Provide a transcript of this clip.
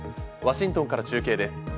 ワシントンから中継です。